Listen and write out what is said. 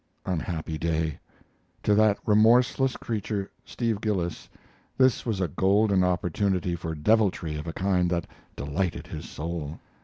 Unhappy day! To that remorseless creature, Steve Gillis, this was a golden opportunity for deviltry of a kind that delighted his soul.